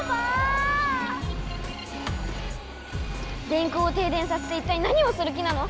電空をてい電させて一体何をする気なの？